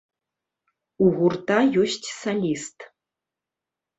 У гурта ёсць саліст.